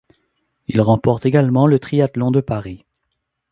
Il remporte également le triathlon de Paris.